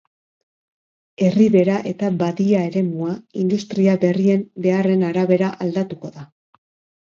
Erribera eta badia eremua, industria berrien beharren arabera aldatuko da.